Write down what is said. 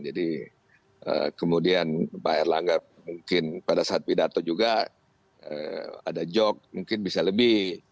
jadi kemudian pak erlangga mungkin pada saat pidato juga ada jog mungkin bisa lebih